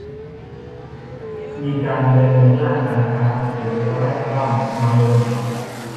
มีการเดินในย่านการค้าหรือละแวกบ้านน้อยลงไหม